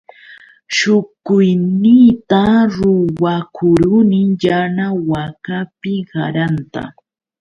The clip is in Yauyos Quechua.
Shukuyniyta ruwakuruni yana wakapi qaranta.